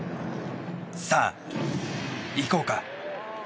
さあ、行こうか！